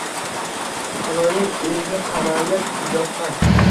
Xaloyiq uyiga qamalib yoppa